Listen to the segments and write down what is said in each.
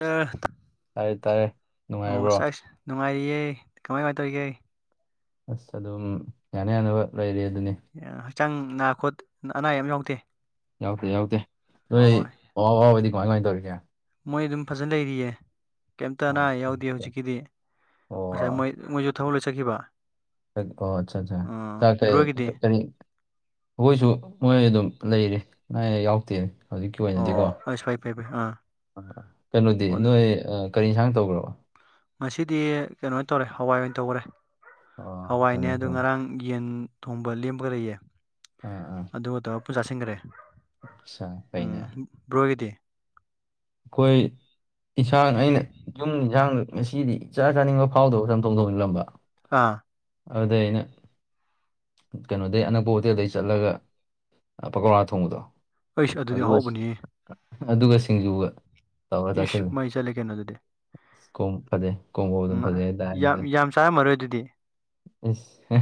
ꯑ ꯇꯥꯔꯦ ꯇꯥꯔꯦ ꯑꯣ ꯅꯨꯡꯉꯥꯏꯕ꯭ꯔꯣ ꯁꯥꯏꯁ ꯅꯨꯡꯉꯥꯏꯔꯤꯌꯦ ꯀꯃꯥꯏ ꯀꯃꯥꯏꯟ ꯇꯧꯔꯤꯒꯦ ꯑꯁ ꯑꯗꯨꯝ ꯌꯥꯅ ꯌꯥꯅꯕ ꯂꯩꯔꯤ ꯑꯗꯨꯅꯤ ꯌꯥ ꯍꯛꯆꯥꯡ ꯅꯥ ꯈꯣꯠ ꯑꯅꯥ ꯑꯌꯦꯛ ꯑꯝ ꯌꯥꯎꯗꯦ ꯌꯥꯎꯗꯦ ꯌꯥꯎꯗꯦ ꯅꯣꯏ ꯑꯣ ꯃꯃꯥ ꯕꯕꯥ ꯍꯣꯏꯗꯤ ꯀꯃꯥꯏ ꯀꯃꯥꯏꯟ ꯇꯧꯔꯤꯒꯦ ꯃꯣꯏ ꯑꯗꯨꯝ ꯐꯖꯟ ꯂꯩꯔꯤꯌꯦ ꯀꯦꯝꯇ ꯑꯅꯥ ꯑꯌꯦꯛ ꯑꯣꯀꯦ ꯌꯥꯎꯗꯤꯌꯦ ꯑꯣꯀꯦ ꯍꯧꯖꯤꯛꯀꯤꯗꯤ ꯑꯣ ꯈ꯭ꯔꯦ ꯃꯣꯏ ꯃꯣꯏꯖꯨ ꯊꯕꯛ ꯂꯣꯏ ꯆꯠꯈꯤꯕ ꯆꯠ ꯀꯣ ꯑꯆꯥ ꯆꯥ ꯑꯥ ꯆꯠꯈ꯭ꯔꯦ ꯕ꯭ꯔꯣꯒꯤꯗꯤ ꯀ ꯀ꯭ꯔꯤ ꯑꯈꯣꯏꯁꯨ ꯃꯣꯏ ꯑꯗꯨꯝ ꯂꯩꯔꯤ ꯑꯅꯥ ꯌꯦꯛ ꯌꯥꯎꯗꯦ ꯍꯧꯖꯤꯛꯀꯤ ꯑꯣꯏꯅꯗꯤꯀꯣ ꯑꯣ ꯑꯁ ꯐꯩ ꯐꯩ ꯐꯩ ꯑꯥ ꯀꯩꯅꯣꯗꯤ ꯑꯣ ꯑꯗꯨ ꯅꯣꯏ ꯑ ꯀꯔꯤ ꯏꯟꯁꯥꯡ ꯇꯧꯈ꯭ꯔꯕ ꯉꯁꯤꯗꯤ ꯀꯩꯅꯣ ꯇꯧꯔꯦ ꯍꯋꯥꯏ ꯑꯣꯏ ꯇꯧꯒꯔꯦ ꯑꯣ ꯍꯋꯥꯏꯅꯦ ꯐꯔꯦ ꯑꯗꯨ ꯐꯔꯦ ꯉꯔꯥꯡ ꯌꯦꯟ ꯊꯣꯡꯕ ꯂꯦꯝꯕꯒ ꯂꯩꯌꯦ ꯑꯥ ꯑꯥ ꯑꯗꯨꯒ ꯇꯧꯔ ꯄꯨꯨꯟ ꯆꯥꯁꯤꯟꯒ꯭ꯔꯦ ꯑꯠꯆꯥ ꯎꯝ ꯐꯩꯅꯦ ꯕ꯭ꯔꯣꯒꯤꯗꯤ ꯈꯣꯏ ꯏꯟꯁꯥꯡ ꯑꯩꯅ ꯌꯨꯝꯒꯤ ꯏꯟꯁꯥꯡꯗ ꯉꯁꯤꯗꯤ ꯏꯆꯥ ꯆꯥꯅꯤꯡꯕ ꯐꯥꯎꯗꯕ ꯆꯝꯊꯣꯡ ꯊꯣꯡꯖꯜꯂꯝꯕ ꯑꯥ ꯑꯗꯨꯗꯩ ꯑꯩꯅ ꯀꯩꯅꯣꯗꯩ ꯑꯅꯛꯄ ꯍꯣꯇꯦꯜꯗꯩ ꯆꯠꯂꯒ ꯑ ꯄꯀꯧꯔꯥ ꯊꯣꯡꯕꯗꯣ ꯑꯩꯁ ꯑꯗꯨꯗꯤ ꯑꯗꯨꯒ ꯑꯍꯥꯎꯕꯅꯤꯍꯦ ꯑꯗꯨꯒ ꯁꯤꯡꯖꯨꯒ ꯇꯧꯔ ꯏꯁ ꯆꯥꯁꯤꯜꯂꯨ ꯃꯩ ꯆꯠꯂꯦ ꯀꯩꯅꯣ ꯑꯗꯨꯗꯤ ꯀꯣꯡꯄꯗꯩ ꯎꯝ ꯀꯣꯡꯒꯣꯜꯗꯨꯝ ꯐꯖꯩ ꯌꯥꯝ ꯍꯥꯏꯇꯥꯃꯤꯗ ꯌꯥꯝ ꯆꯥꯔꯝꯃꯔꯣꯏ ꯑꯗꯨꯗꯤ ꯏꯁ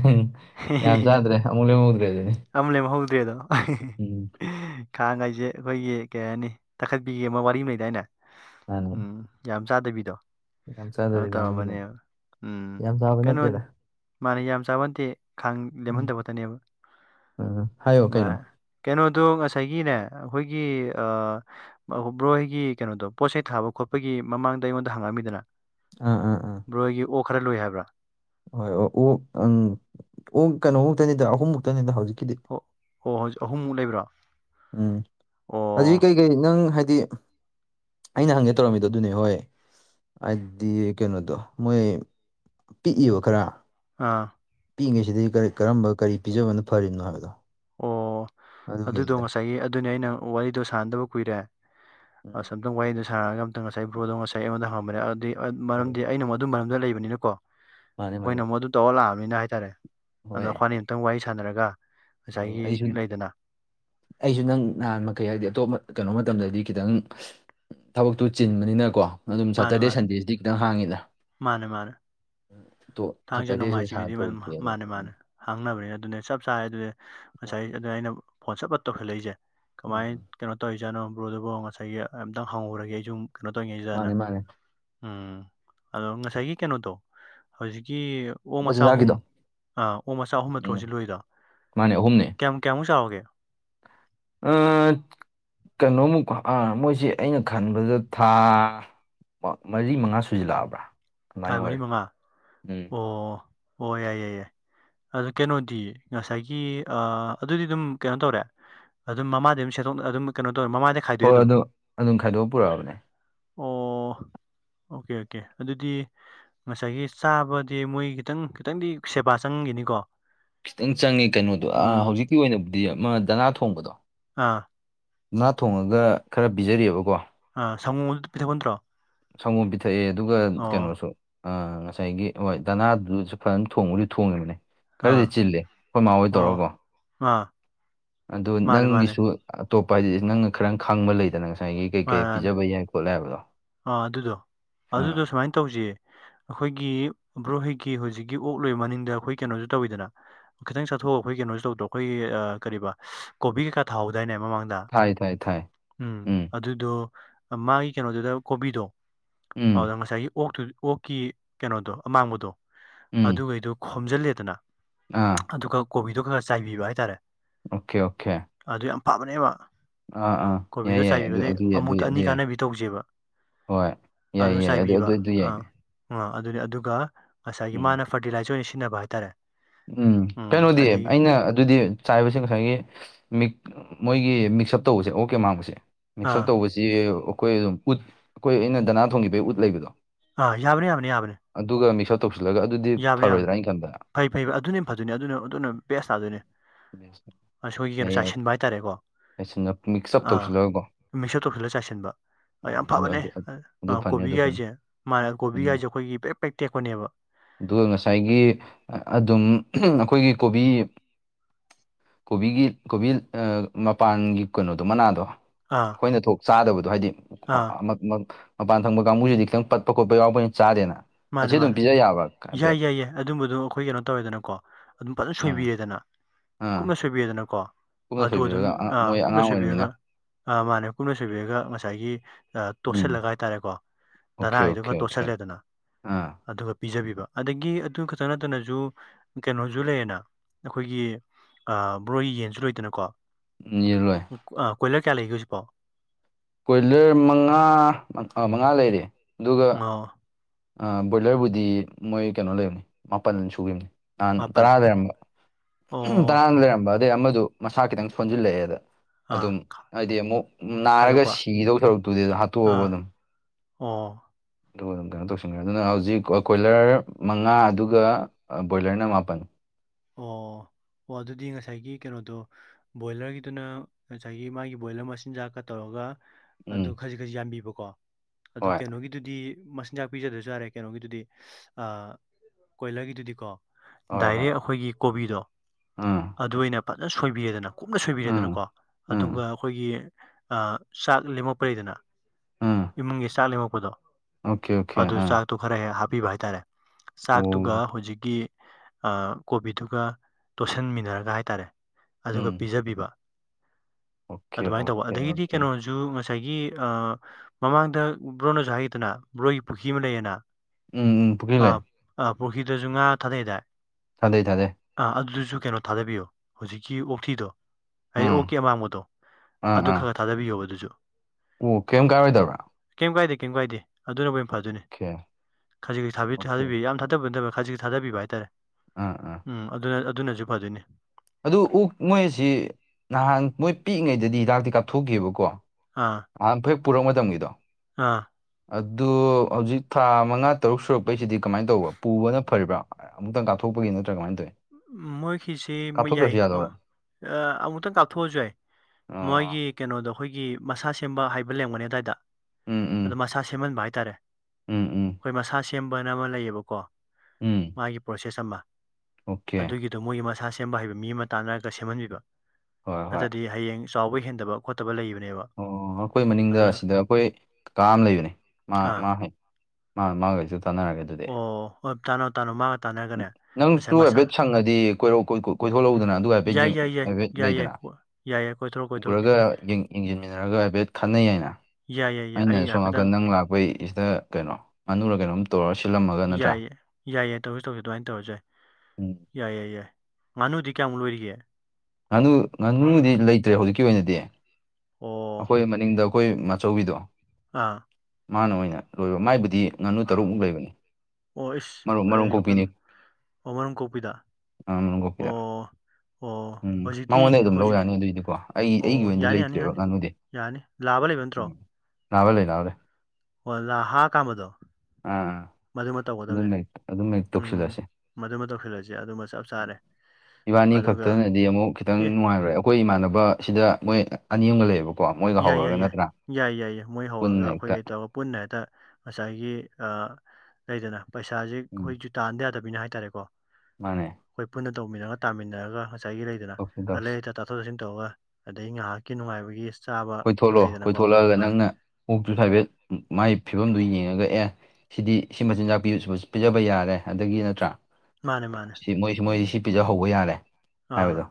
ꯌꯥꯝ ꯆꯥꯗ꯭ꯔꯦ ꯑꯃꯨꯛ ꯂꯦꯝꯍꯧꯗ꯭ꯔꯦꯗꯨꯗꯤ ꯑꯝ ꯂꯦꯝꯍꯧꯗꯦꯗꯣ ꯈꯥꯡꯍꯥꯏꯖꯦ ꯑꯩꯈꯣꯏꯒꯤ ꯀꯩ ꯍꯥꯏꯅꯤ ꯇꯛꯈꯠꯄꯤꯒꯤ ꯑꯃ ꯋꯥꯔꯤꯑꯝ ꯂꯩꯗꯥꯢꯅꯦ ꯃꯥꯅꯦ ꯎꯝ ꯌꯥꯝ ꯆꯥꯗꯕꯤꯗꯣ ꯌꯥꯝ ꯑꯗꯨ ꯆꯥꯗꯕꯤ ꯀꯥꯡꯕꯨꯗꯣ ꯇꯧꯔꯝꯃꯅꯤ ꯎꯝ ꯌꯥꯝ ꯆꯥꯕ ꯀꯩꯅꯣ ꯅꯠꯇꯦꯗ ꯃꯥꯅꯤ ꯌꯥꯝ ꯆꯥꯕ ꯅꯠꯇꯦ ꯈꯥꯡ ꯎꯝ ꯂꯦꯝꯍꯟꯗꯕ ꯇꯅꯦꯕ ꯑ ꯍꯥꯏꯌꯣ ꯃꯥ ꯀꯩꯅꯣ ꯀꯩꯅꯣꯗꯣ ꯉꯁꯥꯏꯒꯤꯅꯦ ꯑꯈꯣꯏꯒꯤ ꯑ ꯃꯒꯨꯝ ꯕ꯭ꯔꯣꯒꯤ ꯀꯩꯅꯣꯗꯣ ꯄꯣꯠ ꯆꯩꯩ ꯊꯥꯕ ꯈꯣꯠꯄꯒꯤ ꯃꯃꯥꯡꯗ ꯑꯩꯉꯣꯟꯗ ꯍꯪꯉꯛ ꯑꯝꯃꯤꯗꯅ ꯑꯥ ꯑꯥ ꯑꯥ ꯕ꯭ꯔꯣꯏꯒꯤ ꯑꯣꯛ ꯈꯔ ꯂꯣꯏ ꯍꯥꯏꯕ꯭ꯔꯥ ꯍꯣꯏ ꯑꯣ ꯑꯣ ꯎꯝ ꯑꯣꯛ ꯀꯩꯅꯣꯃꯨꯛꯇꯅꯤꯗ ꯑꯍꯨꯝ ꯃꯨꯛꯇꯅꯤꯗ ꯍꯧꯖꯤꯛꯀꯤꯗꯤ ꯑꯣ ꯍꯣ ꯍꯧꯖꯤꯛ ꯑꯍꯨꯝꯃꯨꯛ ꯂꯩꯕ꯭ꯔꯣ ꯎꯝ ꯑꯣ ꯍꯖꯤꯛ ꯀꯩꯀꯩ ꯅꯪ ꯍꯥꯏꯗꯤ ꯑꯩꯅ ꯍꯪꯒꯦ ꯇꯧꯔꯝꯃꯤꯗꯣ ꯑꯗꯨꯅꯦ ꯍꯣꯏ ꯑꯥꯏꯠꯗꯤ ꯀꯩꯅꯣꯗꯣ ꯃꯣꯏ ꯄꯤꯛꯏꯕ ꯈꯔ ꯑꯥ ꯄꯤꯛꯏꯉꯩꯁꯤꯗꯤ ꯀꯔꯤ ꯀꯔꯝꯕ ꯀꯔꯤ ꯄꯤꯖꯕꯅ ꯐꯔꯤꯅꯣ ꯍꯥꯏꯕꯗꯣ ꯑꯣ ꯑꯗꯨꯗꯣ ꯑꯗꯨꯒꯤꯅꯤꯗ ꯉꯁꯥꯏꯒꯤ ꯑꯗꯨꯅꯦ ꯑꯩꯅ ꯋꯥꯔꯤꯗꯣ ꯁꯥꯟꯅꯗꯕ ꯀꯨꯏꯔꯦ ꯑꯁ ꯎꯝ ꯑꯝꯇꯪ ꯋꯥꯔꯤꯗꯣ ꯁꯥꯔꯒ ꯑꯝꯇꯪ ꯉꯁꯥꯏ ꯕ꯭ꯔꯣꯗꯣ ꯉꯁꯥꯏ ꯑꯩꯉꯣꯟꯗ ꯍꯪꯉꯝꯕꯅꯦ ꯑꯗꯨꯗꯤ ꯑꯠ ꯍꯣꯏ ꯃꯔꯝꯗꯤ ꯑꯩꯅ ꯑꯃꯨꯛ ꯑꯗꯨ ꯃꯔꯝꯗ ꯂꯩꯕꯅꯤꯅꯀꯣ ꯃꯥꯅꯦ ꯃꯥꯅꯦ ꯑꯈꯣꯏꯅ ꯑꯃꯨꯛ ꯑꯗꯨ ꯇꯧꯔ ꯂꯥꯛꯑꯕꯅꯤꯅ ꯍꯥꯏꯇꯥꯔꯦ ꯑꯗꯣ ꯑꯩꯈꯣꯏꯋꯥꯅꯤ ꯑꯝꯇꯪ ꯋꯥꯔꯤ ꯁꯥꯟꯅꯔꯒ ꯎꯪ ꯉꯁꯥꯏꯒꯤ ꯑꯩꯁꯨꯅꯤ ꯂꯩꯗꯅ ꯑꯩꯁꯨ ꯅꯪ ꯅꯍꯥꯟ ꯃꯈꯩ ꯍꯥꯏꯕꯗꯤ ꯑꯇꯣꯞꯄ ꯀꯩꯅꯣ ꯃꯇꯝꯗꯗꯤ ꯈꯤꯇꯪ ꯊꯕꯛꯇꯨ ꯆꯤꯟꯕꯅꯤꯅꯀꯣ ꯑꯗꯨꯝ ꯃꯥꯅꯦ ꯁꯇꯔꯗꯦ ꯃꯥꯅꯦ ꯁꯟꯗꯦꯁꯤꯗꯤ ꯈꯤꯇꯪ ꯍꯥꯡꯉꯤꯗꯅ ꯃꯥꯅꯦ ꯃꯥꯅꯦ ꯊꯥꯡꯖ ꯁꯇꯔꯗꯦꯁꯤꯗ ꯅꯣꯡꯃꯥꯏꯖꯤꯡ ꯁꯥꯟꯅ ꯑꯩꯗꯤ ꯕꯔꯝ ꯊꯣꯛꯀꯦꯅ ꯃꯥꯅꯦ ꯎꯝ ꯃꯥꯅꯦ ꯍꯥꯡꯅꯕꯅꯤꯅ ꯑꯗꯨꯅꯦ ꯆꯞ ꯆꯥꯔꯦ ꯑꯗꯨꯗꯤ ꯑꯥ, ꯉꯁꯥꯏ ꯑꯗꯨ ꯑꯩꯅ ꯐꯣꯟ ꯆꯞ ꯐꯠ ꯇꯧꯁꯤꯜꯂꯛꯏꯁꯦ ꯎꯝ ꯀꯃꯥꯏꯅ ꯀꯩꯅꯣ ꯇꯧꯔꯤꯖꯥꯠꯅꯣ ꯕ꯭ꯔꯣꯗꯨꯕꯨ ꯉꯁꯥꯏꯒꯤ ꯑꯝꯇꯪ ꯍꯪꯍꯧꯔꯒꯦ ꯑꯩꯖꯨꯝ ꯀꯩꯅꯣ ꯇꯧꯔꯤꯉꯩꯁꯤꯗꯅ ꯃꯥꯅꯦ ꯃꯥꯅꯦ ꯎꯝ ꯑꯗꯣ ꯉꯁꯥꯏꯒꯤ ꯀꯩꯅꯣꯗꯣ ꯍꯧꯖꯤꯛꯀꯤ ꯑꯣꯛ ꯂꯨꯄꯥ ꯃꯆꯥ ꯑꯍꯨꯝ ꯆꯤꯟꯖꯥꯛꯀꯤꯗꯣ ꯑꯥ ꯑꯣꯛ ꯃꯆꯥ ꯑꯍꯨꯝ ꯅꯠꯇ꯭ꯔꯣ ꯎꯝ ꯍꯧꯖꯤꯛ ꯂꯣꯏꯔꯤꯗꯣ ꯃꯥꯅꯦ ꯑꯍꯨꯝꯅꯦ ꯀꯌꯥꯝ ꯀꯌꯥꯝꯃꯨꯛ ꯆꯥꯎꯔꯒꯦ ꯑꯥ ꯀꯩꯅꯣꯃꯨꯛ ꯑꯥ ꯃꯣꯏꯁꯤ ꯑꯩꯅ ꯈꯟꯕꯗ ꯊꯥ ꯃ ꯃꯔꯤ ꯃꯉꯥ ꯁꯨꯖꯜꯂꯛꯑꯕ꯭ꯔꯥ ꯊꯥ ꯃꯔꯤ ꯃꯉꯥ ꯑꯣ ꯑꯣ ꯌꯥꯏ ꯌꯥꯏ ꯌꯥꯏ ꯑꯗ ꯀꯩꯅꯣꯗꯤ ꯉꯁꯥꯏꯒꯤ ꯑ ꯑꯗꯨꯗꯤ ꯑꯗꯨꯝ ꯀꯩꯅꯣ ꯇꯧꯔꯦ ꯑꯗꯨꯝ ꯃꯃꯥꯗꯩ ꯑꯗꯨꯝ ꯁꯦꯠꯗꯣꯛꯅ ꯑꯗꯨꯝ ꯀꯩꯅꯣ ꯇꯧꯔ ꯃꯃꯥꯗꯩ ꯍꯣꯏ ꯑꯗꯨ ꯑꯗꯨꯝ ꯈꯥꯏꯗꯣꯛꯑ ꯄꯨꯔꯛꯑꯕꯅꯦ ꯑꯣ ꯑꯣꯀꯦ ꯑꯣꯀꯦ ꯑꯗꯨꯗꯤ ꯉꯁꯥꯏꯒꯤ ꯆꯥꯕꯗꯤ ꯃꯣꯏ ꯈꯤꯇꯪ ꯈꯤꯇꯪꯗꯤ ꯁꯦꯕꯥ ꯆꯪꯒꯤꯅꯤꯀꯣ ꯈꯤꯇꯪ ꯆꯪꯉꯤ ꯀꯩꯅꯣꯗꯣ ꯑꯥ ꯍꯧꯖꯤꯛꯀꯤ ꯑꯣꯏꯅꯕꯨꯗꯤ ꯑꯃ ꯗꯅꯥ ꯊꯣꯡꯕꯗꯣ ꯑꯥ ꯉꯥ ꯊꯣꯡꯉꯒ ꯈꯔ ꯄꯤꯖꯔꯤꯑꯦꯕꯀꯣ ꯑꯥ ꯁꯡꯒꯣꯝꯒꯥꯖꯨ ꯄꯤꯊꯛꯄ ꯅꯠꯇ꯭ꯔꯣ ꯁꯪꯒꯣꯝ ꯄꯤꯊꯛꯑꯦ ꯑꯗꯨꯒ ꯑꯣ ꯀꯩꯅꯣꯁꯨ ꯑꯥ ꯉꯁꯥꯏꯒꯤ ꯍꯣꯏ ꯗꯅꯥꯗꯨꯁꯨ ꯐꯖꯅ ꯊꯣꯡꯕꯨꯗꯤ ꯊꯣꯡꯉꯤꯕꯅꯦ ꯑꯥ ꯈꯔꯗꯤ ꯆꯤꯜꯂꯦ ꯑꯈꯣꯏ ꯃꯥꯥ ꯍꯣꯏ ꯑꯣ ꯇꯧꯔꯒꯥꯀꯣ ꯑꯥ ꯑꯗꯨ ꯃꯥꯅꯦ ꯃꯥꯅꯦ ꯅꯪꯒꯤꯁꯨ ꯑꯇꯣꯞꯄ ꯍꯥꯏꯗꯤ ꯅꯪꯅ ꯈꯔꯪ ꯈꯪꯕ ꯂꯩꯗꯅ ꯉꯥꯏꯒꯤ ꯃꯥꯅꯦ ꯀꯩꯀꯩ ꯃꯥꯅꯦ ꯄꯤꯖꯕ ꯌꯥꯏ ꯈꯣꯠꯂꯦ ꯍꯥꯏꯕꯗꯣ ꯑꯥ ꯑꯗꯨꯗꯣ ꯑꯥ ꯑꯗꯨꯗꯣ ꯁꯨꯃꯥꯏꯟ ꯇꯧꯖꯤ ꯑꯈꯣꯏꯒꯤ ꯕ꯭ꯔꯣꯍꯩꯒꯤ ꯍꯧꯖꯤꯛꯀꯤ ꯑꯣꯛ ꯂꯣꯏꯕ ꯃꯅꯤꯡꯗ ꯑꯈꯣꯏ ꯀꯩꯅꯣꯖꯨ ꯇꯧꯋꯤꯗꯅ ꯈꯤꯇꯪ ꯆꯠꯊꯣꯛ ꯑ ꯑꯈꯣꯏ ꯀꯩꯅꯣꯁꯨ ꯇꯧꯗ꯭ꯔꯣ ꯑꯈꯣꯏꯒꯤ ꯑꯥ ꯀꯔꯤꯕꯥ ꯀꯣꯕꯤ ꯀꯩꯀꯥ ꯊꯥꯍꯧꯗꯥꯏꯅꯦ ꯃꯃꯥꯡ ꯂ ꯊꯥꯏ ꯊꯥꯏ ꯊꯥꯏ ꯎꯝ ꯑꯗꯨꯗꯣ ꯃꯥꯒꯤ ꯀꯩꯅꯣꯗꯨꯗ ꯀꯣꯕꯤꯗꯣ ꯎꯝ ꯑꯧꯗ ꯉꯁꯥꯏꯒꯤ ꯑꯣꯛꯇꯨ ꯑꯣꯛꯀꯤ ꯀꯩꯅꯣꯗꯣ ꯑꯃꯥꯡꯕꯗꯣ ꯎꯝ ꯑꯗꯨꯒꯩꯗꯣ ꯈꯣꯝꯖꯤꯜꯂꯦꯗꯅ ꯑꯥ ꯑꯗꯨꯒ ꯀꯣꯕꯤꯗꯣ ꯈꯔ ꯆꯥꯏꯕꯤꯕ ꯍꯥꯏꯇꯥꯔꯦ ꯑꯣꯛꯀꯦ ꯑꯣꯛꯈꯦ ꯑꯗꯨ ꯌꯥꯝ ꯐꯕꯅꯦꯕ ꯑꯥ ꯌꯥꯏ ꯀꯣꯕꯤꯗꯣ ꯌꯥꯏ ꯑꯗꯨ ꯆꯥꯏꯕꯤꯕꯗꯩ ꯑꯗꯨ ꯌꯥꯏ ꯑꯗꯨ ꯑꯃꯨꯛꯇ ꯌꯥꯏ ꯑꯗꯨ ꯑꯅꯤ ꯌꯥꯏ ꯀꯥꯟꯅꯕꯤ ꯇꯧꯖꯦꯕ ꯍꯣꯏ ꯌꯥꯏꯌꯦ ꯌꯥꯏ ꯑꯗꯨ ꯑꯗꯨ ꯑꯗꯨ ꯌꯥꯏ ꯑꯥ ꯑꯗꯨꯅꯤ ꯑꯗꯨꯒ ꯉꯁꯥꯏꯒꯤ ꯎꯝ ꯃꯥꯅ ꯐꯔꯇꯤꯂꯥꯏꯆ ꯑꯣꯏꯟ ꯁꯤꯟꯅꯕ ꯍꯥꯏꯇꯥꯔꯦ ꯎꯝ ꯀꯩꯅꯣꯗꯤ ꯑꯩꯅ ꯑꯗꯨꯗꯤ ꯆꯥꯏꯕꯁꯦ ꯉꯁꯥꯏꯒꯤ ꯃꯤꯛ ꯃꯣꯏꯒꯤ ꯃꯤꯛꯁꯑꯞ ꯇꯧꯕꯁꯦ ꯑꯣꯛ ꯀꯤ ꯑꯃꯥꯡꯕꯁꯦ ꯃꯤꯛꯁꯑꯞ ꯇꯧꯕꯁ ꯖꯤ ꯑꯈꯣꯏ ꯑꯗꯨꯝ ꯎꯠ ꯑꯈꯣꯏ ꯑꯩꯅ ꯗꯅꯥ ꯊꯣꯡꯒꯤꯕꯩ ꯎꯠ ꯂꯩꯕꯗꯣ ꯑꯥ ꯌꯥꯕꯅꯦ ꯌꯥꯕꯅꯦ ꯌꯥꯕꯅꯦ ꯑꯗꯨꯒ ꯃꯤꯛꯁꯑꯞ ꯇꯧꯁꯤꯜꯂꯒ ꯑꯗꯨꯗꯤ ꯐꯔꯣꯏꯗ꯭ꯔꯥ ꯑꯩꯩꯟ ꯈꯟꯕꯗ ꯐꯩ ꯐꯩꯕ ꯑꯗꯨꯅ ꯍꯦꯟꯅ ꯐꯗꯨꯏꯅꯦ ꯑꯗꯨꯅ ꯑꯗꯨꯅ ꯕꯦꯁ ꯇꯥꯗꯣꯏꯅꯦ ꯑꯁꯣꯏꯒꯤ ꯀꯩꯅꯣ ꯆꯥꯏꯁꯤꯟꯕ ꯍꯥꯏ ꯇꯥꯔꯦꯀꯣ ꯆꯥꯏ ꯁꯤꯟꯕ ꯃꯤꯛꯁꯑꯞ ꯇꯧꯁꯤꯜꯂꯒꯀꯣ ꯃꯤꯛꯁꯑꯞ ꯇꯧꯁꯤꯜꯂ ꯆꯥꯏꯁꯤꯟꯕ ꯑꯥ ꯎꯝ ꯌꯥꯝ ꯑꯗꯨ ꯐꯕꯅꯦ ꯑꯗꯨ ꯑꯗꯨ ꯑꯗꯨ ꯑ ꯐꯅꯤ ꯑꯗꯨ ꯐꯅꯤ ꯀꯣꯕꯤꯒꯥꯏꯖꯦ ꯃꯥꯅ ꯀꯣꯕꯤꯒꯥꯏꯖꯦ ꯑꯈꯣꯏꯒꯤ ꯄꯦꯛ ꯄꯦꯛ ꯇꯦꯛꯄꯅꯦꯕ ꯗꯨꯒ ꯉꯁꯥꯏꯒꯤ ꯑꯗꯨꯝ ꯑꯈꯣꯏꯒꯤ ꯀꯣꯕꯤ ꯀꯣꯕꯤꯒꯤ ꯀꯣꯕꯤ ꯑ ꯃꯄꯥꯟꯒꯤ ꯀꯩꯅꯣꯗꯣ ꯃꯅꯥꯗꯣ ꯑꯥ ꯈꯣꯏꯅ ꯊꯣꯛ ꯆꯥꯗꯕꯗꯣ ꯍꯥꯏꯗꯤ ꯑꯥ ꯃꯛ ꯃꯛ ꯃꯄꯥꯟ ꯊꯪꯕ ꯀꯥꯡꯕꯨꯖꯤꯗꯤ ꯈꯤꯇꯪ ꯄꯠꯄ ꯈꯣꯠꯄ ꯌꯥꯎꯕꯩꯟ ꯆꯥꯗꯦꯅ ꯑꯁꯤ ꯃꯥꯅꯦ ꯑꯗꯨꯝ ꯃꯥꯅꯦ ꯄꯤꯖ ꯌꯥꯕ ꯌꯥꯏ ꯍꯥꯏꯐꯦꯠ ꯌꯥꯏ ꯌꯥꯏ ꯑꯗꯨꯝꯕꯗꯨꯝ ꯑꯈꯣꯏ ꯀꯩꯅꯣ ꯇꯧꯔꯦꯗꯅꯀꯣ ꯑꯗꯨꯝ ꯐꯖꯟ ꯑꯥ ꯁꯣꯏꯕꯤꯔꯦꯗꯅ ꯑꯥ ꯀꯨꯞꯅ ꯁꯣꯏꯕꯤꯑꯦꯗꯅꯀꯣ ꯀꯨꯞꯅ ꯑꯗꯨ ꯑꯗꯨꯝ ꯁꯣꯏꯕꯤꯔꯒ ꯑ ꯃꯣꯏ ꯑꯉꯥꯡ ꯀꯨꯞꯅ ꯑꯣꯏꯔꯤꯃꯤꯅ ꯁꯣꯏꯕꯤꯔꯒ ꯑ ꯃꯥꯅꯦ ꯀꯨꯞꯅ ꯁꯣꯏꯕꯤꯔꯒ ꯉꯁꯥꯏꯒꯤ ꯎꯝ ꯇꯣꯠꯁꯤꯜꯂꯒ ꯍꯥꯏꯇꯥꯔꯦꯀꯣ ꯑꯣꯀꯦ ꯙꯔꯥꯒꯤꯗꯨ ꯑꯣꯀꯦ ꯈ ꯑꯣꯀꯦ ꯇꯣꯠꯁꯜꯂꯦꯗꯅ ꯑꯥ ꯑꯗꯨꯒ ꯄꯤꯖꯕꯤꯕ ꯑꯗꯒꯤ ꯑꯗꯨ ꯈꯛꯇ ꯅꯠꯇꯅꯖꯨ ꯀꯩꯅꯣꯖꯨ ꯂꯩꯌꯦꯅ ꯑꯈꯣꯏꯒꯤ ꯑ ꯕ꯭ꯔꯣꯏ ꯌꯦꯟꯖꯨ ꯂꯣꯏꯗꯅꯀꯣ ꯌꯦꯜ ꯂꯣꯏ ꯑ ꯀꯣꯏꯂꯔ ꯀꯌꯥ ꯂꯩꯒꯦ ꯍꯧꯖꯤꯄꯣꯛ ꯀꯣꯏꯂꯔ ꯃꯉꯥ ꯑ ꯃꯉꯥ ꯂꯩꯔꯤ ꯑꯗꯨꯒ ꯑꯣ ꯑ ꯕꯣꯏꯂꯔꯕꯨꯗꯤ ꯃꯣꯏ ꯀꯩꯅꯣ ꯂꯩꯕꯅꯤ ꯃꯥꯄꯜ ꯁꯨꯒꯤꯝꯅꯤ ꯑ ꯃꯥꯄꯜ ꯇꯔꯥꯂꯩꯔꯝꯕ ꯑꯣ ꯇꯔꯥꯥꯂꯩꯔꯝꯕ ꯑꯗꯩ ꯑꯃꯖꯨ ꯃꯁꯥ ꯈꯤꯇꯪ ꯁꯣꯟꯖꯤꯜꯂꯛꯑꯦꯗ ꯑꯥ ꯑꯗꯨꯝ ꯍꯥꯏꯗꯤ ꯑꯃꯨꯛ ꯅꯥꯔꯒ ꯈꯥꯏꯗꯣꯛꯄ ꯁꯤꯗꯧ ꯁꯔꯨꯛꯇꯨꯗꯤ ꯑꯗꯨ ꯑꯥ ꯍꯥꯠꯇꯣꯛꯑꯧꯕꯅ ꯑꯣ ꯑꯗꯨꯒ ꯑꯗꯨꯝ ꯀꯩꯅꯣ ꯇꯧꯁꯤꯟꯒꯏ꯭ꯔꯦ ꯑꯗꯨꯅ ꯍꯧꯖꯤꯛ ꯀꯣꯏ ꯀꯣꯏꯂꯔ ꯃꯉꯥ ꯑꯗꯨꯒ ꯕꯣꯏꯂꯔꯅ ꯃꯥꯄꯟ ꯑꯣ ꯑꯗꯨꯗꯤ ꯉꯁꯥꯏꯒꯤ ꯀꯩꯅꯣꯗꯣ ꯕꯣꯏꯂꯔꯒꯤꯗꯨꯅ ꯉꯁꯥꯏꯒꯤ ꯃꯥꯒꯤ ꯕꯣꯏꯂꯔ ꯃꯆꯤꯟꯖꯥꯛꯀ ꯇꯧꯔꯒ ꯑꯗꯨ ꯎꯝ ꯈꯖꯤꯛ ꯈꯖꯤ ꯌꯥꯟꯕꯤꯕꯀꯣ, ꯑꯗꯨ ꯍꯣꯏ ꯀꯩꯅꯣꯒꯤ ꯑꯗꯨꯗꯤ ꯃꯆꯤꯟꯖꯥꯛ ꯄꯤꯖꯗ‌ꯔꯁꯨ ꯌꯥꯔꯦ ꯀꯩꯅꯣꯒꯤꯗꯨꯗꯤ ꯑꯥ ꯀꯣꯏꯂꯔꯒꯤꯗꯨꯗꯤꯀꯣ ꯍꯣꯏ ꯍꯣꯏ ꯗꯥꯏꯔꯦꯛ ꯑꯩꯈꯣꯏꯒꯤ ꯀꯣꯕꯤꯗꯣ ꯎꯝ ꯑꯗꯨ ꯑꯣꯏꯅ ꯐꯖꯅ ꯁꯣꯏꯕꯤꯔꯦꯗꯅ ꯀꯨꯞꯅ ꯁꯣꯏꯕꯤꯔꯦꯗꯅꯀꯣ ꯎꯝ ꯑꯗꯨꯒ ꯎꯝ ꯑꯩꯈꯣꯏꯒꯤ ꯑꯥ ꯆꯥꯛ ꯂꯦꯝꯃꯛꯄ ꯂꯩꯗꯅ ꯎꯝ ꯏꯃꯨꯡꯒꯤ ꯆꯥꯛ ꯂꯦꯝꯃꯛꯄꯗꯣ ꯑꯣꯀꯦ ꯑꯣꯀꯦ ꯑꯗꯨ ꯑꯥ ꯆꯥꯛꯇꯣ ꯈꯔ ꯍꯦꯛ ꯍꯥꯞꯄꯤꯕ ꯍꯥꯏꯇꯥꯔꯦ, ꯆꯥꯛꯇꯨꯒ ꯑꯣ ꯍꯧꯖꯤꯛꯀꯤ ꯑꯥ ꯀꯣꯕꯤꯗꯨꯒ ꯇꯣꯠꯁꯤꯟꯃꯤꯟꯅꯔꯒ ꯍꯥꯏꯇꯥꯔꯦ ꯎꯝ ꯑꯗꯨꯒ ꯄꯤꯖꯕꯤꯕ ꯑꯣꯀꯦ ꯑꯗꯨꯃꯥꯏꯅ ꯇꯧꯕ ꯑꯣꯀꯦ ꯑꯗꯒꯤꯗꯤ ꯑꯣꯀꯦ ꯀꯩꯅꯣꯁꯨ [unintelligible] ꯉꯁꯥꯏꯒꯤ ꯑ ꯃꯃꯥꯡꯗ ꯕ꯭ꯔꯣꯅꯁꯨ ꯍꯥꯏꯈꯤꯗꯅ, ꯕ꯭ꯔꯣꯒꯤ ꯄꯨꯈ꯭ꯔꯤ ꯑꯃ ꯂꯩꯌꯦꯅ ꯎꯝ ꯎꯝ ꯄꯨꯈꯔꯤ ꯑꯃ ꯂꯩ ꯑ ꯄꯨꯈ꯭ꯔꯤꯗꯁꯨ ꯉꯥ ꯊꯥꯗꯩ ꯍꯥꯏꯗꯥꯏ ꯊꯥꯗꯩ ꯊꯥꯗꯩ ꯑꯥ ꯑꯗꯨꯗꯁꯨ ꯀꯩꯅꯣ ꯊꯥꯗꯕꯤꯌꯣ, ꯍꯧꯖꯤꯛꯀꯤ ꯑꯣꯛꯊꯤꯗꯣ ꯍꯥꯏꯗꯤ ꯎꯝ ꯑꯣꯛꯀꯤ ꯑꯃꯥꯡꯕꯗꯣ ꯑꯥ ꯑꯗꯨ ꯑꯥ ꯈꯒ ꯊꯥꯗꯕꯤꯌꯣꯕ ꯑꯗꯨꯁꯨ ꯑꯣ ꯀꯔꯤꯝ ꯀꯥꯏꯔꯣꯏꯗꯕ꯭ꯔꯥ ꯀꯩꯝ ꯀꯥꯏꯗꯦ ꯀꯩꯝ ꯀꯥꯏꯗꯦ ꯑꯗꯨꯅꯕꯨ ꯐꯥꯗꯣꯏꯅꯦ ꯑꯣꯀꯦ ꯈꯖꯤꯛ ꯈꯖꯤꯛ ꯊꯕꯤ ꯑꯣꯀꯦ ꯊꯗꯕꯤꯎ ꯑꯣꯀꯦ ꯌꯥꯝ ꯊꯥꯗꯕ ꯅꯠꯇꯕ ꯈꯖꯤꯛꯇ ꯊꯥꯗꯕꯤꯕ ꯍꯥꯏꯇꯥꯔꯦ ꯎꯝ ꯎꯝ ꯎꯝ ꯑꯗꯨꯅ ꯑꯗꯨꯅꯁꯨ ꯐꯗꯣꯏꯅꯤ ꯑꯗꯨ ꯑꯣꯛ ꯃꯣꯏ ꯑꯁꯤ ꯅꯍꯥꯟ ꯃꯣꯏ ꯄꯤꯛꯏꯉꯩꯗꯗꯤ ꯍꯤꯗꯥꯛꯇꯤ ꯀꯥꯞꯊꯣꯛꯈꯤꯌꯦꯕꯀꯣ ꯑꯥ ꯅꯍꯟ ꯐꯦꯛ ꯄꯨꯔꯛ ꯃꯇꯝꯒꯤꯗꯣ ꯑꯥ ꯑꯗꯨ ꯍꯧꯖꯤꯛ ꯊꯥ ꯃꯉꯥ ꯇꯔꯨꯛ ꯁꯨꯔꯛꯄꯩꯁꯤꯗꯤ ꯀꯃꯥꯏꯅ ꯇꯧꯕ ꯄꯨꯕꯅ ꯐꯔꯤꯕꯥ ꯑꯃꯨꯛꯇꯪ ꯀꯥꯊꯣꯛꯄꯒꯤ ꯅꯠꯇ꯭ꯔꯥ ꯀꯃꯥꯏꯅ ꯇꯧꯏ ꯃꯣꯏꯒꯤꯁꯤ ꯃꯌꯥꯏ ꯑ ꯑꯥ ꯑꯃꯨꯛꯇꯪ ꯀꯥꯞꯊꯣꯛꯑꯁꯨ ꯌꯥꯏ ꯃꯣꯏꯒꯤ ꯑꯣ ꯀꯩꯅꯣꯗꯣ ꯑꯈꯣꯏꯒꯤ ꯃꯁꯥ ꯁꯦꯝꯕ ꯍꯥꯏꯕ ꯂꯩꯔꯝꯒꯅꯤ ꯑꯗꯥꯏꯗ, ꯎꯝ ꯑꯗꯣ ꯎꯝ ꯃꯁꯥ ꯁꯦꯝꯍꯟꯕ ꯍꯥꯏꯇꯥꯔꯦ ꯎꯝ ꯎꯝ ꯑꯩꯈꯣꯏ ꯃꯁꯥ ꯁꯦꯝꯕꯅ ꯑꯃ ꯂꯩꯌꯦꯕꯀꯣ ꯎꯝ ꯃꯥꯒꯤ ꯄ꯭ꯔꯣꯁꯦꯁ ꯑꯃ ꯑꯣꯀꯦ ꯑꯗꯨꯒꯤꯗꯣ ꯃꯣꯏꯒꯤ ꯃꯁꯥ ꯁꯦꯝꯕ ꯍꯩꯕ ꯃꯤ ꯑꯃ ꯇꯥꯟꯅꯔꯒ ꯁꯦꯝꯍꯟꯕꯤꯕ ꯍꯣꯏ ꯍꯣꯏ ꯅꯠꯇ꯭ꯔꯗꯤ ꯍꯌꯦꯡ ꯆꯥꯎꯕ ꯍꯦꯟꯗꯕ ꯈꯣꯠꯇꯕ ꯂꯩꯕꯅꯦꯕ ꯑꯣ ꯑꯈꯣꯏ ꯃꯅꯤꯡꯗ ꯑꯗꯨꯅ ꯁꯤꯗ ꯑꯈꯣꯏ ꯀꯥꯀꯥ ꯑꯃ ꯂꯩꯕꯅꯦ ꯃꯥ, ꯃꯥ ꯑꯥ ꯍꯪ ꯃꯥ ꯃꯥꯒ ꯑꯣꯏꯁꯨ ꯇꯥꯟꯅꯔꯒꯦ ꯑꯣ ꯍꯣꯏ ꯇꯥꯅꯧ ꯇꯥꯅꯧ ꯃꯥ ꯅꯪꯁꯨ ꯍꯥꯏꯐꯦꯠ ꯁꯪꯉꯗꯤ ꯀꯣꯏꯔꯛꯎ ꯀꯣꯢ ꯀꯣꯏꯊꯣꯛꯂꯛꯎꯗꯅ ꯑꯗꯨꯒ ꯍꯥꯏꯐꯦꯠ ꯍꯥꯏꯐꯦꯠ ꯂꯩꯗꯅ ꯌꯥꯏꯌꯦ ꯀꯣꯏꯊꯣꯔꯛ ꯀꯣꯏꯊꯣꯔꯛꯀꯦ ꯎꯔꯒ ꯌꯦꯡ ꯌꯦꯡꯁꯤꯟꯃꯤꯟꯅꯔꯒ ꯍꯥꯏꯐꯦꯠ ꯈꯟꯅꯩ ꯌꯥꯏꯅ ꯌꯥꯏ ꯌꯥꯏ ꯌꯥꯏ ꯑꯩꯅ ꯑꯩ ꯁꯣꯝ ꯅꯥꯀꯟ ꯍꯥꯏꯐꯦꯠꯇꯪ ꯅꯪ ꯂꯥꯛꯄꯩ ꯁꯤꯗ ꯀꯩꯅꯣ, ꯉꯥꯅꯨꯔ ꯀꯩꯅꯣꯝ ꯇꯧꯔ ꯁꯤꯜꯂꯝꯃꯒ ꯅꯠꯇ꯭ꯔꯥ ꯌꯥꯏ ꯌꯥꯏ ꯌꯥꯏ ꯌꯥꯏ ꯇꯧꯁꯤ ꯇꯧꯁꯤ ꯑꯗꯨꯃꯥꯏꯅ ꯇꯧꯔꯁꯨ ꯌꯥꯏ, ꯎꯝ ꯌꯥꯏ ꯌꯥꯏ ꯌꯥꯏ ꯉꯥꯅꯨꯗꯤ ꯀꯌꯥꯃꯨꯛ ꯂꯣꯏꯔꯤꯒꯦ? ꯉꯥꯅꯨ, ꯉꯥꯅꯨꯗꯤ ꯂꯩꯇ꯭ꯔꯦ ꯍꯧꯖꯤꯛꯀꯤ ꯑꯣꯏꯅꯗꯤ ꯑꯣ ꯑꯈꯣꯏ ꯃꯅꯤꯡꯗ ꯑꯈꯣꯏ ꯃꯥꯆꯧꯕꯤꯗꯣ ꯑꯥ ꯃꯥꯅ ꯑꯣꯏꯅ ꯂꯣꯏꯕ ꯃꯥꯏꯕꯨꯗꯤ ꯉꯥꯅꯨ ꯇꯔꯨꯛꯃꯨꯛ ꯂꯩꯕꯅꯤ ꯑꯣ ꯏꯁ ꯃꯔꯨꯝ ꯃꯔꯨꯝ ꯐꯔꯦ ꯀꯩꯅꯣ ꯀꯣꯛꯄꯤꯅꯤ ꯑꯣ ꯃꯔꯨꯝ ꯀꯣꯛꯄꯤꯗ ꯑꯥ ꯃꯔꯨꯝ ꯀꯣꯛꯄꯤꯗ ꯑꯣ ꯑꯣ ꯎꯝ ꯍꯧꯖꯤꯛꯇꯤ ꯃꯉꯣꯟꯗꯩ ꯑꯗꯨꯝ ꯂꯧ ꯌꯥꯅꯤ ꯍꯧꯖꯤꯛꯇꯤ ꯑꯗꯨꯏꯗꯤꯀꯣ ꯑꯩ ꯑꯣ ꯑꯩꯒꯤ ꯑꯣꯏꯅꯗꯤ ꯌꯥꯅꯤ ꯌꯥꯅꯤ ꯂꯩꯇ꯭ꯔꯦꯕ ꯌꯥꯅꯤ ꯉꯥꯅꯨꯗꯤ ꯌꯥꯅꯤ ꯂꯥꯕ ꯂꯩꯕ ꯅꯠꯇ꯭ꯔꯣ ꯂꯥꯕ ꯂꯩ ꯂꯥꯕ ꯂꯩ ꯑꯣ ꯂ ꯍꯥ ꯀꯥꯝꯕꯗꯣ ꯑꯥ ꯃꯗꯨꯃ ꯑꯗꯨꯝ ꯇꯧꯒꯗꯕꯅꯦ ꯂꯩ ꯑꯗꯨꯝ ꯍꯦꯛ ꯎꯝ ꯇꯧꯁꯤꯜꯂꯁꯤ ꯃꯗꯨꯃ ꯇꯧꯁꯤꯜꯂꯖꯦ ꯑꯗꯨꯃ ꯆꯞ ꯆꯥꯔꯦ ꯏꯕꯥꯅꯤ ꯑꯗꯨꯒ ꯈꯛꯇꯅꯗꯤ ꯑꯃꯨꯛ ꯈꯤꯇꯪ ꯑꯦ ꯅꯨꯡꯉꯥꯏꯔꯣꯢ ꯑꯩꯈꯣꯏ ꯏꯃꯥꯟꯅꯕ ꯁꯤꯗ ꯃꯣꯏ ꯑꯅꯤ ꯑꯝꯒ ꯂꯩꯌꯦꯕꯀꯣ ꯃꯣꯏꯒ ꯌꯥꯏ ꯍꯧꯔꯒ ꯌꯥꯏ ꯌꯥꯏ ꯅꯠꯇ꯭ꯔꯥ ꯌꯥꯏ ꯌꯥꯏ ꯌꯥꯏ ꯃꯣꯏ ꯍꯧꯔꯒ ꯄꯨꯟꯅ ꯍꯦꯛꯇ ꯑꯈꯣꯏꯒꯩ ꯇꯧꯔ ꯄꯨꯟꯅ ꯍꯦꯛꯇ ꯉꯁꯥꯏꯒꯤ ꯑ ꯂꯩꯗꯅ ꯄꯩꯁꯥꯖꯦ ꯎꯝ ꯈꯣꯏꯖꯨꯠ ꯇꯥꯥꯟꯗ ꯌꯥꯗꯝꯅꯤꯅ ꯍꯥꯏꯇꯥꯔꯦꯀꯣ ꯃꯥꯅꯦ ꯈꯣꯏ ꯄꯨꯟꯅ ꯇꯧꯃꯤꯟꯅꯔꯒ ꯇꯥꯃꯤꯟꯅꯔꯒ ꯉꯁꯥꯏꯒꯤ ꯂꯩꯗꯅ ꯇꯧꯁꯤ ꯑ ꯇꯧꯁꯤ ꯂꯩ ꯂꯩꯇꯥ ꯆꯠꯊꯣꯛ ꯆꯠꯁꯤꯟ ꯇꯧꯔꯒ ꯑꯗꯩ ꯉꯥꯍꯥꯛꯀꯤ ꯅꯨꯡꯉꯥꯏꯕꯒꯤ ꯆꯥꯕ ꯀꯣꯏꯊꯣꯛꯂꯣ ꯂꯩꯗꯅꯀꯣ ꯀꯣꯏꯊꯣꯛꯂꯛꯑꯒ ꯑ ꯅꯪꯅ ꯑꯣꯛꯇꯨ ꯍꯥꯏꯕꯦꯠ ꯃꯥꯏ ꯐꯤꯕꯝꯗꯨ ꯌꯦꯡꯉꯒ ꯑꯦ ꯁꯤꯗꯤ ꯁꯤ ꯃꯆꯤꯟꯖꯥꯛ ꯄꯤ ꯄꯤꯖꯕ ꯌꯥꯔꯦ ꯑꯗꯒꯤ ꯅꯠꯇ꯭ꯔꯥ ꯃꯥꯅꯦ ꯃꯥꯅꯦ ꯁꯤ ꯃꯣꯏꯁꯤ ꯃꯣꯏ ꯁꯤ ꯄꯤꯖꯍꯧꯕ ꯌꯥꯔꯦ ꯑꯥ ꯍꯥꯏꯕꯗꯣ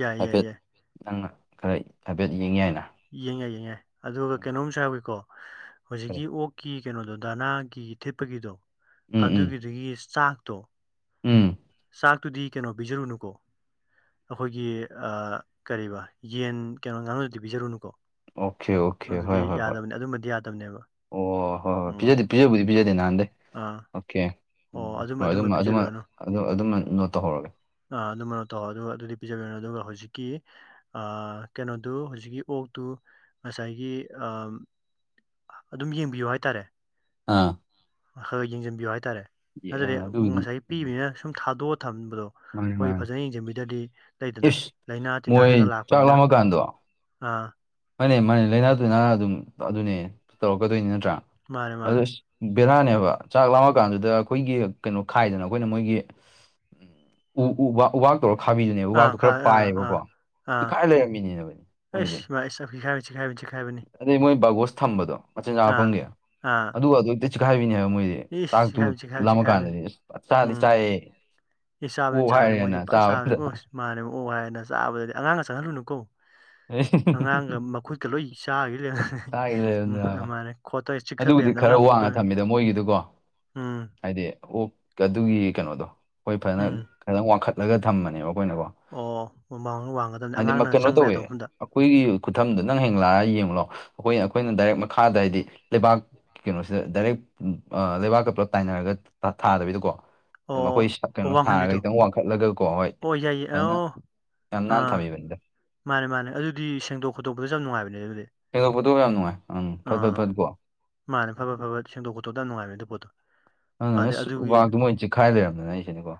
ꯌꯥꯏ ꯌꯥꯏ ꯍꯥꯏꯐꯦꯠ ꯌꯥꯏ ꯅꯪꯅ ꯈꯔ ꯍꯥꯏꯐꯦꯠ ꯌꯦꯡ ꯌꯥꯢꯅ ꯌꯦꯡꯌꯥꯢ ꯌꯦꯡꯌꯥꯢ ꯑꯗꯨꯒ ꯀꯩꯅꯣꯝꯁꯨ ꯍꯥꯢꯍꯧꯒꯦꯀꯣ ꯀꯔꯤ? ꯍꯨꯖꯤꯛꯀꯤ ꯑꯣꯛꯀꯤ ꯀꯩꯅꯣꯗꯣ ꯗꯥꯅꯥꯒꯤ ꯊꯤꯠꯄꯒꯤꯗꯣ ꯎꯝ ꯎꯝ ꯑꯗꯨꯒꯤꯗꯨꯒꯤ ꯆꯥꯛꯇꯣ ꯎꯝ ꯆꯥꯛꯇꯨꯗꯤ ꯀꯩꯅꯣ ꯄꯤꯖꯔꯨꯅꯨꯀꯣ ꯑꯈꯣꯏꯒꯤ ꯑꯥ ꯀꯔꯤꯕ ꯌꯦꯟ ꯀꯩꯅꯣ ꯉꯥꯅꯨꯗꯗꯤ ꯄꯤꯖꯔꯨꯅꯨꯀꯣ ꯑꯣꯀꯦ ꯑꯣꯀꯦ ꯑꯗꯨꯗꯤ ꯍꯣꯏ ꯍꯣꯏ ꯍꯣꯏ ꯌꯥꯗꯕꯅꯦ ꯑꯗꯨꯝꯕꯗꯤ ꯌꯥꯗꯕꯅꯦꯕ ꯑꯣ ꯍꯣ ꯍꯣꯏ ꯎꯝ ꯄꯤꯖꯗꯦ ꯄꯤꯖꯕꯨꯗꯤ ꯄꯤꯖꯗꯦ ꯅꯍꯥꯟꯗꯩ ꯑꯥ ꯀꯦ ꯑꯗꯨꯝ ꯑꯣ ꯑꯗꯨꯝꯕ ꯑꯗꯨꯃ ꯑꯗꯨꯃ ꯄꯤꯖꯕꯤꯔꯅꯨ ꯑꯗꯨ ꯑꯗꯨꯃ ꯅꯣꯠ ꯇꯧꯍꯧꯔꯒꯦ ꯑ ꯗꯨꯃꯥ ꯇꯧ ꯑꯗꯨꯒ ꯑꯗꯨꯗꯤ ꯄꯤꯖꯒꯅꯨ ꯑꯗꯨꯒ ꯍꯧꯖꯤꯛꯀꯤ ꯑ ꯀꯩꯅꯣꯗꯨ ꯍꯨꯖꯤꯛꯀꯤ ꯑꯣꯛꯇꯨ ꯉꯁꯥꯏꯒꯤ ꯑ ꯑꯗꯨꯝ ꯌꯦꯡꯕꯤꯌꯨ ꯍꯥꯏꯇꯥꯔꯦ ꯑꯥ ꯈꯔ ꯌꯦꯡꯁꯤꯟꯕꯤꯌꯨ ꯍꯥꯏꯇꯥꯔꯦ ꯌꯦ- ꯑ, ꯅꯠꯇꯗꯤ ꯑꯗꯨꯒꯤꯗꯤ ꯉꯁꯥꯏ ꯎꯝ ꯄꯤꯛꯏꯕꯅꯤꯅ ꯁꯨꯝ ꯊꯥꯗꯣꯛꯑ ꯊꯝꯕꯗꯣ ꯃꯥꯅꯤ ꯈꯣꯏ ꯃꯥꯅꯤ ꯐꯖꯅ ꯌꯦꯡꯁꯤꯟꯕꯤꯗ꯭ꯔꯗꯤ ꯂꯩꯗꯅ ꯏꯁ ꯂꯥꯏꯅꯥ ꯃꯣꯏ ꯇꯤꯟꯅꯥꯅꯒ ꯆꯥꯛ ꯂꯥꯛꯄꯅꯤꯅ ꯂꯥꯝꯃꯀꯥꯟꯗꯣ ꯑꯥ ꯃꯥꯅꯦ ꯃꯥꯅꯤ ꯂꯥꯏꯅꯥ ꯇꯤꯟꯅꯥ ꯑꯗꯨꯝ ꯑꯗꯨꯅꯦ ꯇꯧꯔꯛꯀꯗꯣꯏꯅꯤ ꯅꯠꯇ꯭ꯔꯥ ꯃꯥꯅꯦ ꯑꯗꯣ ꯃꯥꯅꯦ ꯁꯤ ꯕꯦꯔꯥꯅꯦꯕ ꯆꯥꯛ ꯂꯥꯃ ꯀꯥꯟꯗꯨꯗ ꯑꯩꯈꯣꯏꯒꯤ ꯀꯩꯅꯣ ꯈꯥꯏꯗꯅ ꯑꯩꯈꯣꯏꯅ ꯃꯣꯏꯒꯤ ꯎ ꯎꯕ ꯎꯕꯥꯛ ꯇꯧꯔ ꯈꯥꯕꯤꯕꯅꯦ ꯑꯥ ꯎꯕꯥꯥꯛꯇꯣ ꯈꯥ ꯈꯔ ꯑꯥ ꯑꯥ ꯄꯥꯏꯑꯦꯕꯀꯣ ꯆꯤꯛꯈꯥꯏ ꯂꯩꯔꯝꯃꯤꯅꯦꯃꯤ ꯃꯣꯏꯗꯤ [unintelligible] ꯆꯤꯡꯈꯥꯏꯕꯅꯤ ꯆꯤꯡꯈꯥꯏꯕꯅꯤ ꯑꯗꯩ ꯃꯣꯏ ꯕꯥꯒꯣꯁ ꯊꯝꯕꯗꯣ ꯃꯆꯤꯟꯖꯥꯛ ꯑꯥ ꯍꯥꯞꯐꯝꯒꯤ ꯑꯥ ꯑꯗꯨꯒ ꯑꯗꯨ ꯂꯣꯏ ꯆꯤꯈꯥꯏꯕꯤꯅꯦꯕ ꯃꯣꯏꯗꯤ ꯏꯁ ꯆꯥꯛꯇꯨ ꯆꯤꯈꯥꯏꯕꯅꯤ ꯆꯤꯈꯥꯏꯕꯅꯤ ꯂꯥꯝꯃ ꯆꯤꯈꯥꯏꯕꯅꯤ ꯀꯥꯟꯗꯗꯤ ꯑꯁ ꯐꯥ ꯆꯥꯗꯤ ꯎꯝ ꯆꯥꯏꯌꯦ ꯏ ꯆꯥꯕꯅꯤ ꯑꯣꯛ ꯆꯥꯕꯅꯤ ꯍꯥꯏꯔꯦꯅ ꯃꯣꯏꯗꯤ ꯄꯥꯠ ꯆꯥꯕꯅꯤ ꯆꯥꯕꯗ ꯑꯣ ꯃꯥꯅꯦ ꯑꯣꯛ ꯍꯥꯏꯔꯦꯅ ꯆꯥꯕꯗꯗꯤ ꯑꯉꯥꯡꯒ ꯆꯪꯍꯜꯂꯨꯅꯨꯀꯣ ꯑꯉꯥꯡꯒ ꯃꯈꯨꯠꯀ ꯂꯣꯏ ꯆꯥꯈꯤ ꯆꯥꯒꯤ ꯂꯩꯔꯝꯃꯦ ꯂꯩꯔꯝꯗꯅ ꯃꯥꯅꯦ ꯈꯣꯠꯇ ꯆꯤꯛꯊꯠ ꯑꯗꯨꯕꯨꯗꯤ ꯂꯩꯔꯝꯗ ꯈꯔ ꯑꯉꯥꯡ ꯃꯈꯨꯠ ꯋꯥꯡꯅ ꯀꯩꯅꯣ ꯊꯝꯃꯤꯗ ꯃꯣꯏꯒꯤꯗꯨꯀꯣ ꯎꯝ ꯍꯥꯏꯗꯤ ꯑꯣ ꯑꯗꯨꯒꯤ ꯀꯩꯅꯣꯗꯣ ꯑꯩꯈꯣꯏ ꯐꯖꯅ ꯎꯝ ꯀꯩꯅꯣ ꯋꯥꯡꯈꯠꯂꯒ ꯊꯝꯕꯅꯦꯕ ꯑꯈꯣꯏꯅꯀꯣ ꯑꯣ ꯃ ꯃꯃꯥꯡ ꯋꯥꯡꯒꯗꯕꯅꯤ ꯑꯉꯥꯡꯅ ꯀꯩꯅꯣ ꯆꯪꯕ ꯇꯧꯋꯦ ꯌꯥꯗꯕ ꯃꯐꯝꯗ ꯑꯩꯈꯣꯏꯒꯤ ꯈꯨꯊꯝꯗ ꯅꯪ ꯍꯌꯦꯡ ꯂꯛꯑꯒꯥ ꯌꯦꯡꯉꯣ ꯂꯥꯎ ꯑꯩꯈꯣꯏ ꯑꯩꯈꯣꯏꯅ ꯗꯥꯏꯔꯦꯛ ꯃꯈꯥꯗ ꯍꯥꯏꯗꯤ ꯂꯩꯕꯥꯛ ꯀꯩꯅꯣꯁꯤꯗ ꯗꯥꯏꯔꯦꯛ ꯑ ꯂꯩꯕꯥꯛꯀ ꯄꯨꯂꯞ ꯇꯥꯏꯅꯔꯒ ꯊꯥꯗꯕꯤꯗꯀꯣ ꯑꯣ ꯑꯩꯈꯣꯏ ꯑꯣ ꯀꯩꯅꯣ ꯁꯥꯔꯒ ꯋꯥꯡꯍꯟꯕꯤꯗꯣ ꯈꯤꯇꯪ ꯋꯥꯡꯈꯠꯂꯒꯀꯣ ꯍꯣꯏ ꯑꯣ ꯌꯥꯏꯌꯦ ꯐꯖꯅ ꯑꯣ ꯌꯥꯝ ꯅꯥꯟꯅ ꯑꯥ ꯊꯕꯤꯕꯅꯤꯗ ꯃꯥꯅꯦ ꯃꯥꯅꯦ ꯑꯗꯨꯗꯤ ꯁꯦꯡꯗꯣꯛ ꯈꯣꯠꯇꯣꯛꯄꯗꯁꯨ ꯌꯥꯝ ꯅꯨꯡꯉꯥꯏꯕꯅꯦ ꯑꯗꯨꯗꯤ ꯁꯦꯡꯗꯣꯛ ꯈꯣꯇꯣꯛ ꯌꯥꯝ ꯅꯨꯡꯉꯥꯏ ꯎꯝ ꯐꯠ ꯐꯠ ꯑꯥ ꯐꯠꯀꯣ ꯃꯥꯅꯦ ꯐꯕꯠ ꯐꯕꯠ ꯁꯦꯡꯗꯣꯛ ꯈꯣꯠꯇꯣꯛ ꯌꯥꯝ ꯅꯨꯡꯉꯥꯏꯕꯅꯦ ꯑꯗꯨ ꯄꯣꯠꯇꯣ ꯑ ꯑꯗꯩ ꯑꯁ ꯑꯗꯨꯒꯤ ꯎꯕꯥꯛꯇꯣ ꯃꯣꯏ ꯆꯤꯛꯈꯥꯏ ꯂꯩꯔꯝꯕꯅꯦ ꯍꯥꯏꯁꯤꯅꯤꯀꯣ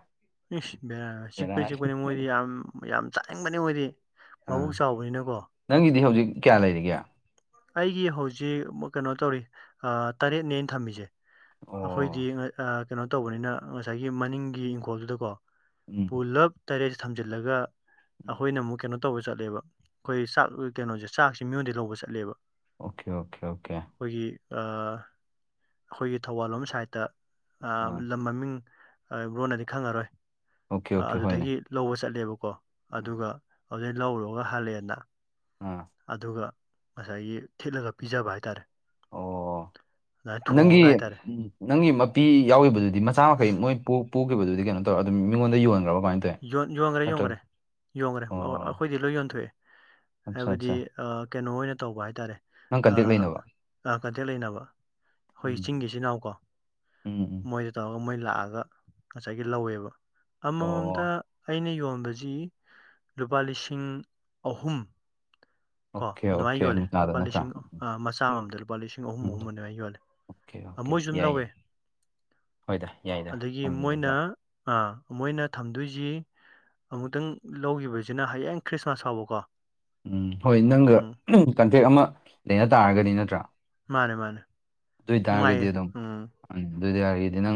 ꯏꯁ ꯕꯦꯔꯥ ꯆꯤꯛꯄꯅꯦ ꯆꯤꯛꯄꯅꯦ ꯃꯣꯏꯗꯤ ꯌꯥꯝ ꯌꯥꯝ ꯆꯥꯅꯤꯡꯕꯅꯤ ꯃꯣꯏꯗꯤ ꯑꯥ ꯃꯕꯨꯛ ꯆꯥꯎꯕꯅꯤꯅꯀꯣ ꯅꯪꯒꯤꯗꯤ ꯍꯧꯖꯤꯛ ꯀꯌꯥ ꯂꯩꯔꯤꯒꯦ ꯑꯩꯒꯤ ꯍꯧꯖꯤꯛ ꯀꯩꯅꯣ ꯇꯧꯔꯤ ꯇꯔꯦꯠꯅꯦ ꯑꯩꯅ ꯊꯝꯃꯤꯁꯦ ꯑꯩꯈꯣꯏꯗꯤ ꯑꯣ ꯑꯩ ꯑ ꯀꯩꯅꯣ ꯇꯧꯕꯅꯤꯅ ꯉꯁꯥꯏꯒꯤ ꯃꯅꯤꯡꯒꯤ ꯏꯪꯈꯣꯜꯗꯨꯗꯀꯣ ꯎꯝ ꯄꯨꯂꯞ ꯇꯔꯦꯠꯁꯦ ꯊꯝꯖꯤꯜꯂꯒ ꯎꯝ ꯑꯩꯈꯣꯏꯅ ꯑꯃꯨꯛ ꯀꯩꯅꯣ ꯇꯧꯕ ꯆꯠꯂꯦꯕ ꯑꯩꯈꯣꯏ ꯆꯥꯛ ꯀꯩꯅꯣꯁꯦ ꯆꯥꯛꯁꯦ ꯃꯤꯉꯣꯟꯗꯩ ꯂꯧꯕ ꯆꯠꯂꯦꯕ ꯑꯣꯀꯦ ꯑꯣꯀꯦ ꯑꯣꯀꯦ ꯑꯩꯈꯣꯏꯒꯤ ꯑ ꯑꯩꯈꯣꯏꯒꯤ ꯊꯧꯕꯥꯜꯂꯣꯝ ꯁꯥꯏꯠꯇ ꯑ ꯑꯥ ꯂꯝ ꯃꯃꯤꯡ ꯑ ꯕ꯭ꯔꯣꯅꯗꯤ ꯈꯪꯉꯔꯣꯏ ꯑꯣꯀꯦ ꯑ ꯑꯣꯀꯦ ꯍꯣꯏꯅꯦ ꯑꯗꯨꯗꯒꯤ ꯂꯧꯕ ꯆꯠꯂꯦꯕꯀꯣ ꯑꯥ ꯑꯗꯨꯒ ꯑꯗꯨꯗꯩ ꯂꯧꯔꯨꯔꯒ ꯍꯜꯂꯛꯑꯦꯅ ꯎꯝ ꯑꯗꯨꯒ ꯉꯁꯥꯏꯒꯤ ꯊꯤꯠꯂꯒ ꯄꯤꯖꯕ ꯍꯥꯏꯇꯥꯔꯦ ꯑꯣ ꯑꯗꯨꯃꯥꯏꯅ ꯅꯪꯒꯤ ꯊꯣꯡꯉꯒ ꯍꯥꯏꯇꯥꯔꯦ ꯎꯝ ꯅꯪꯒꯤ ꯃꯄꯤ ꯌꯥꯎꯒꯤꯕꯗꯨꯗꯤ ꯃꯆꯥ ꯃꯈꯩ ꯃꯣꯏ ꯄꯣꯛ ꯄꯣꯛꯈꯤꯕꯗꯨꯗꯤ ꯀꯩꯅ ꯇꯧꯔꯒ ꯑꯗꯨꯝ ꯃꯤꯉꯣꯟꯗ ꯌꯣꯟꯈ꯭ꯔꯕ ꯀꯃꯥꯏꯅ ꯇꯧ ꯌꯣꯟ ꯌꯣꯟꯒ꯭ꯔꯦ ꯌꯣꯟꯒ꯭ꯔꯦ ꯌꯣꯡꯒ꯭ꯔꯦ ꯑ ꯑꯣ ꯑꯩꯈꯣꯏꯗꯤ ꯂꯣꯏ ꯌꯣꯟꯊꯣꯛꯑꯦ ꯑꯠꯆꯥ ꯍꯥꯏꯕꯗꯤ ꯑꯠꯆꯥ ꯑ ꯀꯩꯅꯣ ꯑꯣꯏꯅ ꯇꯧꯕ ꯍꯥꯏꯇꯥꯔꯦ ꯅꯪ ꯑ ꯀꯟꯇꯦꯛ ꯂꯩꯅꯕ ꯑ ꯀꯟꯇꯦꯛ ꯂꯩꯅꯕ ꯑꯩꯈꯣꯏ ꯎꯝ ꯆꯤꯡꯒꯤ ꯏꯆꯤꯟ ꯅꯥꯎꯀꯣ ꯎꯝ ꯎꯝ ꯃꯣꯏꯗ ꯇꯧꯔꯒ ꯃꯣꯏ ꯂꯥꯛꯑꯒ ꯉꯁꯥꯏꯒꯤ ꯂꯧꯋꯦꯕ ꯑꯃꯃꯝ ꯑꯣ ꯑꯩꯅ ꯌꯣꯟꯕꯁꯤ ꯂꯨꯄꯥ ꯂꯤꯁꯤꯡ ꯑꯍꯨꯝ ꯀꯣ ꯑꯣꯀꯦ ꯑꯗꯨꯃꯥꯏꯅ ꯑꯣꯀꯦ ꯌꯣꯜꯂꯦ ꯃꯨꯛꯅꯥꯗ ꯂꯨꯄꯥ ꯅꯠꯇ꯭ꯔꯥ ꯂꯤꯁꯤꯡ ꯃꯆꯥ ꯑꯃꯝꯗ ꯂꯨꯄꯥ ꯂꯤꯁꯤꯡ ꯑꯍꯨꯝ ꯎꯝ ꯑꯍꯨꯝ ꯑꯗꯨꯃꯥꯏꯅ ꯌꯣꯜꯂꯦ ꯑꯣꯀꯦ ꯑꯣꯀꯦ ꯃꯣꯏꯁꯨ ꯑꯗꯨꯝ ꯌꯥꯏ ꯌꯥꯏ ꯂꯧꯋꯦ ꯍꯣꯏꯗ ꯌꯥꯏꯗ ꯃꯃꯟꯗꯣꯀꯣ ꯑ ꯃꯣꯏꯅ ꯊꯝꯗꯣꯏꯖꯤ ꯑꯃꯨꯛꯇꯪ ꯂꯧꯈꯤꯕꯁꯤꯅ ꯍꯌꯦꯡ ꯈ꯭ꯔꯤꯁꯃꯥꯁ ꯐꯥꯎꯕꯀꯣ ꯎꯝ ꯍꯣꯏ ꯅꯪꯒ ꯎꯝ ꯀꯟꯇꯦꯛ ꯑꯃꯥ ꯂꯩꯅ ꯇꯥꯔꯒꯗꯤ ꯅꯠꯇ꯭ꯔ ꯃꯥꯅꯦ ꯃꯥꯅꯦ ꯗꯨꯏ ꯇꯥꯔꯒꯗꯤ ꯑꯗꯨꯝ ꯎꯝ [unintelligible] ꯅꯪ